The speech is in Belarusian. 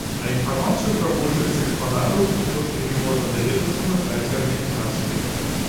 А інфармацыю пра большасць экспанатаў усё ж такі можна даведацца на сайце арганізацыі.